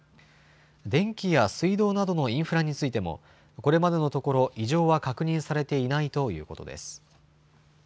電気や水道などのインフラについてもこれまでのところ異常は確認されていないということです。